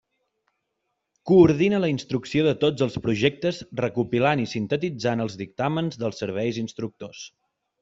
Coordina la instrucció de tots els projectes recopilant i sintetitzant els dictàmens dels serveis instructors.